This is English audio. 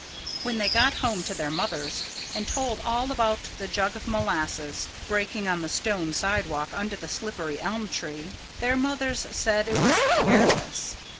When they got home to their mothers and told all about the jug of molasses breaking on the stone sidewalk under the slippery elm tree, their mothers said it was careless.